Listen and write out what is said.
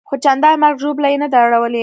خو چندان مرګ ژوبله یې نه ده اړولې.